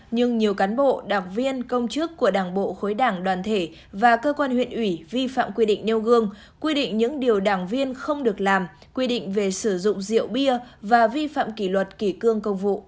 nhưng nhiều cán bộ đảng viên công chức của đảng bộ khối đảng đoàn thể và cơ quan huyện ủy vi phạm quy định nêu gương quy định những điều đảng viên không được làm quy định về sử dụng rượu bia và vi phạm kỷ luật kỷ cương công vụ